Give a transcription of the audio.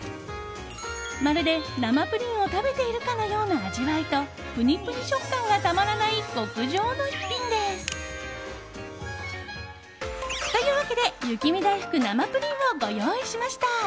まるで生プリンを食べているかのような味わいとぷにぷに食感がたまらない極上の一品です。というわけで雪見だいふく生ぷりんをご用意しました！